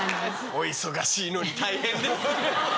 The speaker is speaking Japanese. お忙しいのに大変ですね。